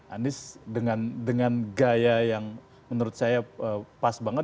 anies dengan gaya yang menurut saya pas banget